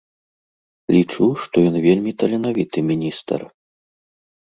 Лічу, што ён вельмі таленавіты міністр.